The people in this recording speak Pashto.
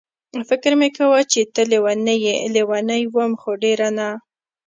فکر مې کاوه چې ته لېونۍ یې، لېونۍ وم خو ډېره نه.